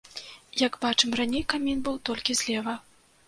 Як бачым, раней камін быў толькі злева.